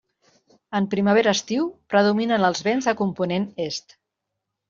En primavera-estiu predominen els vents de component est.